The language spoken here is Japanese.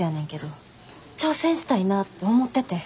挑戦したいなぁって思ってて。